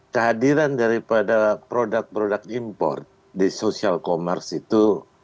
kehadiran daripada produk produk import di social commerce itu